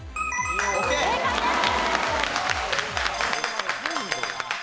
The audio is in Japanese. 正解です！